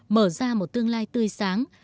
mở ra một tương lai tươi sáng